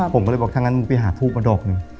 ผมก็เลยบอกถ้างั้นมึงไปหาทูบมาดอกหนึ่ง